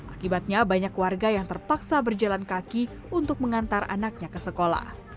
akibatnya banyak warga yang terpaksa berjalan kaki untuk mengantar anaknya ke sekolah